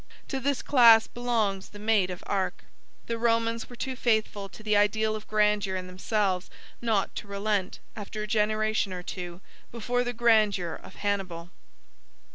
To this class belongs the Maid of Arc. The Romans were too faithful to the ideal of grandeur in themselves not to relent, after a generation or two, before the grandeur of Hannibal.